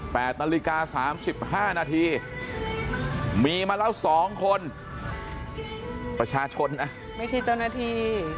แปดนาฬิกา๓๕นาทีมีมาแล้วสองคนประชาชนนะไม่ใช่เจ้าหน้าที่